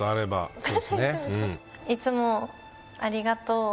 いつもありがとう。